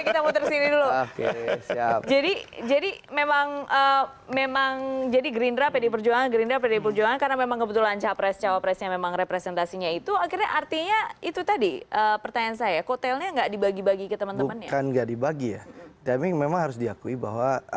tapi memang harus diakui bahwa